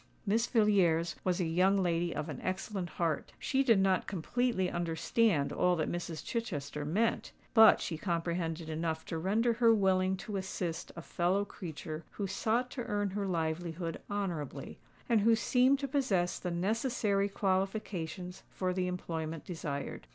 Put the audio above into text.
Miss Villiers was a young lady of an excellent heart: she did not completely understand all that Mrs. Chichester meant; but she comprehended enough to render her willing to assist a fellow creature who sought to earn her livelihood honourably, and who seemed to possess the necessary qualifications for the employment desired.